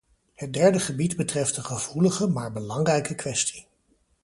Het derde gebied betreft een gevoelige, maar belangrijke kwestie.